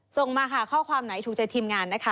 ส่งมาค่ะข้อความไหนถูกใจทีมงานนะคะ